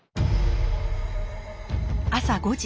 朝５時。